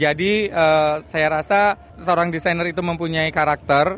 jadi saya rasa seorang desainer itu mempunyai karakter